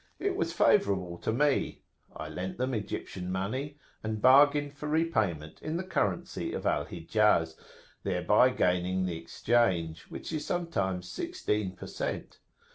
It was favourable to me: I lent them Egyptian money, and bargained for repayment in the currency of Al Hijaz, thereby gaining the exchange, which is sometimes sixteen per cent.